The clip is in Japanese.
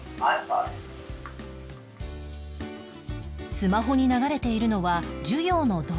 スマホに流れているのは授業の動画